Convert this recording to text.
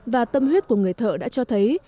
và tâm huyết của người thợ đã cho thấy